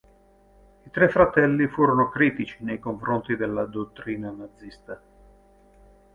I tre fratelli furono critici nei confronti della dottrina nazista.